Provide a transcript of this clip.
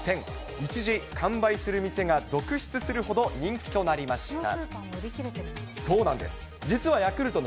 一時完売する店が続出するほど人気となりました。